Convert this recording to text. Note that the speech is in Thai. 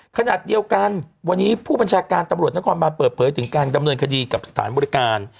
ขณะเดียวกันวันนี้ผู้บัญชาการตำรวจนครบานเปิดเผยถึงการดำเนินคดีกับสถานบริการ